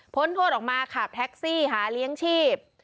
โทษออกมาขับแท็กซี่หาเลี้ยงชีพ